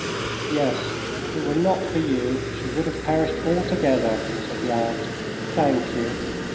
"Yes, if it were not for you she would have perished altogether," said the aunt. "Thank you.